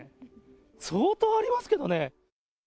相当ありますけどね。